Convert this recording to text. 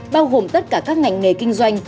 bao gồm tất cả các ngành nghề kinh doanh